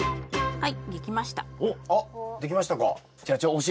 はい。